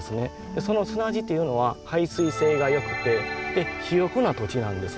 その砂地というのは排水性がよくて肥沃な土地なんですね。